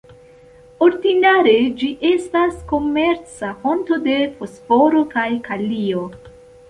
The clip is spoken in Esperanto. Ordinare, ĝi estas komerca fonto de fosforo kaj kalio.